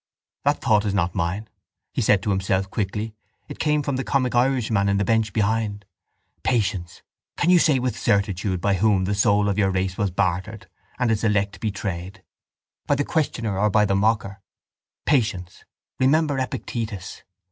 —That thought is not mine, he said to himself quickly. It came from the comic Irishman in the bench behind. Patience. Can you say with certitude by whom the soul of your race was bartered and its elect betrayed—by the questioner or by the mocker? Patience. Remember Epictetus.